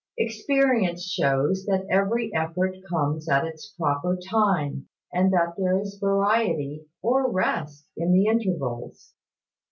Experience shows that every effort comes at its proper time, and that there is variety or rest in the intervals.